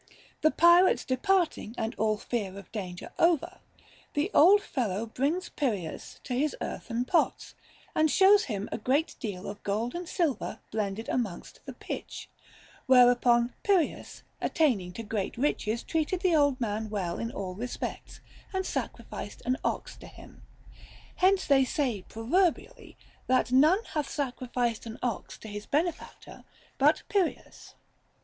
The pirates departing and all fear of danger over, the old fellow brings Pyrrhias to his earthen pots, and shows him a great deal of gold and silver blended amongst the pitch ; whereupon Pyrrhias attaining to great riches treated the old man well in all respects, and sacrificed an ox to him. Hence they say proverbially that none hath sacrificed an ox to his benefactor but Pyrrhias.